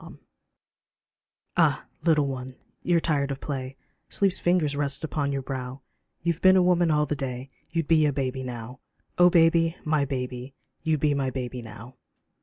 LULLABY AH little one, you're tired of play, Sleep's fingers rest upon your brow, You've been a woman all the day You'd be a baby now ; Oh baby, my baby ! You'd be my baby new.